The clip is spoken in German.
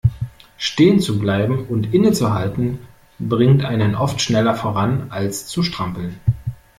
Stehen zu bleiben und innezuhalten bringt einen oft schneller voran, als zu strampeln.